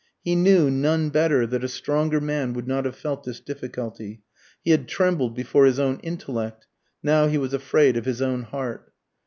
He knew, none better, that a stronger man would not have felt this difficulty. He had trembled before his own intellect; now he was afraid of his own heart.